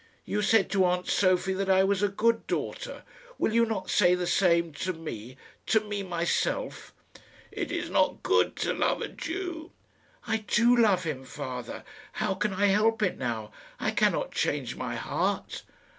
You said to aunt Sophie that I was a good daughter. Will you not say the same to me to me myself?" "It is not good to love a Jew." "I do love him, father. How can I help it now? I cannot change my heart."